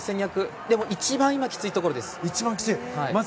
でも一番、今きついところです。